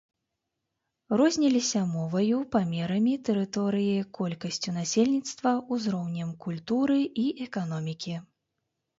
Розніліся моваю, памерамі тэрыторыі, колькасцю насельніцтва, узроўнем культуры і эканомікі.